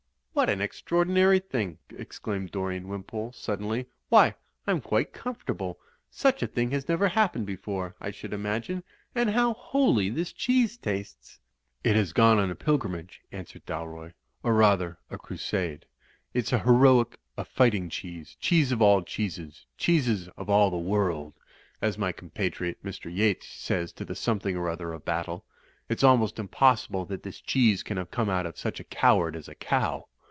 What an extraordinary thing," exclaimed Dorian Wimpole, suddenly. "Why, I'm quite comfortable! Such a thing has never happened before, I should imagine. And how holy this cheese tastes." "It has gone on a pilgrimage," answered Dalroy, "or rather a Crusade. It's a heroic, a fighting cheese. 'Cheese of all Cheeses, Cheeses of all the world,' as my compatriot, Mr. Yeats, says to the Something or other of Battle. It's almost impossible that this cheese can have come out of such a coward as a cow.